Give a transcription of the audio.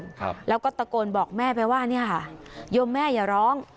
ครับแล้วก็ตะโกนบอกแม่ไปว่าเนี่ยค่ะยมแม่อย่าร้อง